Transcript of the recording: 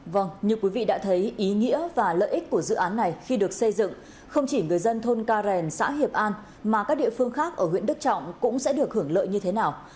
vâng như quý vị đã thấy ý nghĩa và lợi ích của dự án này khi được xây dựng không chỉ người dân thôn ca rèn xã hiệp an mà các địa phương khác ở huyện đức trọng cũng sẽ được hưởng lợi như thế nào